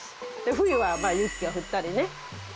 冬は雪が降ったりね。